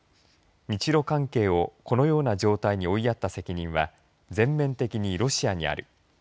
日ロ関係をこのような状態に追いやった責任は全面的にロシアにある。